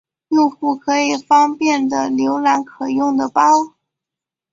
用户可以方便的浏览可用的包。